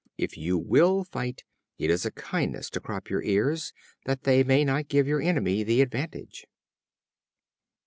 If you will fight, it is a kindness to crop your ears, that they may not give your enemy the advantage."